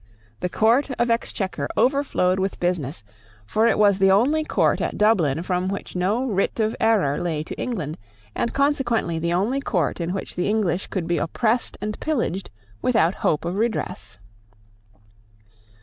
The Court of Exchequer overflowed with business; for it was the only court at Dublin from which no writ of error lay to England, and consequently the only court in which the English could be oppressed and pillaged without hope of redress.